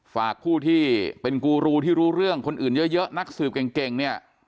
ฝากผู้ที่เป็นกูรูที่รู้เรื่องคนอื่นเยอะนักสืบเก่งเนี่ย